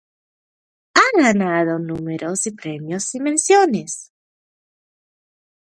Ha ganado numerosos premios y menciones.